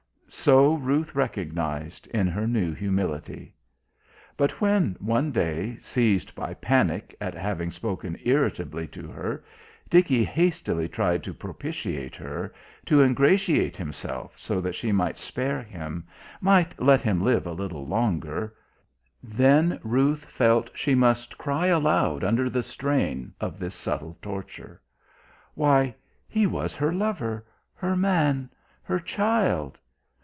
So Ruth recognised in her new humility. But when one day, seized by panic at having spoken irritably to her, Dickie hastily tried to propitiate her, to ingratiate himself so that she might spare him, might let him live a little longer, then Ruth felt she must cry aloud under the strain of this subtle torture. Why, he was her lover, her man, her child....